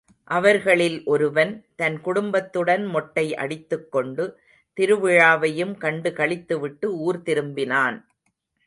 அவர்களில் ஒருவன், தன் குடும்பத்துடன் மொட்டை அடித்துக்கொண்டு, திருவிழாவையும் கண்டுகளித்துவிட்டு ஊர் திரும்பினான்.